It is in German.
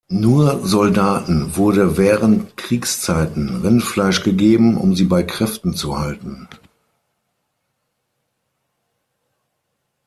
Nur Soldaten wurde während Kriegszeiten Rindfleisch gegeben, um sie bei Kräften zu halten.